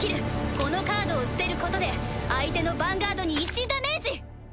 このカードを捨てることで相手のヴァンガードに１ダメージ！